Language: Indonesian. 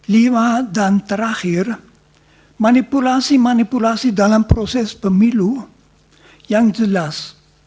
lima dan terakhir manipulasi manipulasi dalam proses pemilu yang jelas